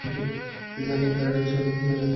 তিনি মাইকেল ফ্যারাডেকে সহযোগী হিসেবে নিযুক্ত করেন।